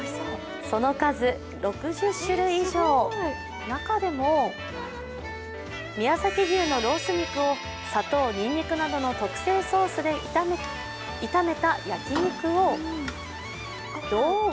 その数６０種類以上、中でも宮崎牛のロース肉を砂糖、ニンニクなどの特製ソースで炒めた焼肉を、ドーン！